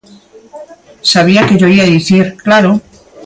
Sabía que llo ía dicir, ¡claro!